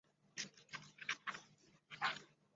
富勒其后表示自己为戈梅兹创作了一些素材。